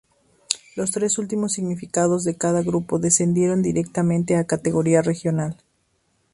Los tres últimos clasificados de cada grupo descendieron directamente a categoría Regional.